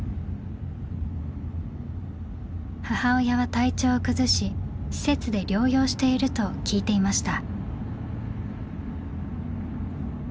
母親は体調を崩し施設で療養していると聞いていました。